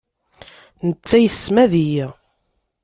Netta yessmad-iyi.